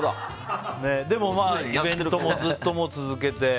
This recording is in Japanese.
でもイベントもずっと続けて。